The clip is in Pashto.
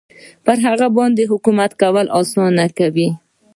پر هغه باندې حکومت کول اسانه کوي.